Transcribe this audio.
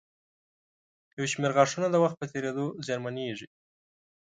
یو شمېر غاښونه د وخت په تېرېدو زیانمنېږي.